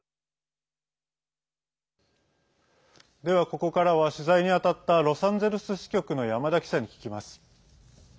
ではここからは取材に当たったロサンゼルス支局の山田記者に聞きます。